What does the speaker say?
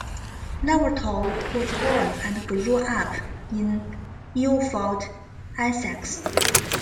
Levertov was born and grew up in Ilford, Essex.